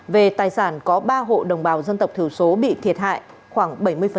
về tài sản có ba hộ đồng bào dân tộc thiểu số bị thiệt hại khoảng bảy mươi